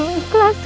aku sudah berhenti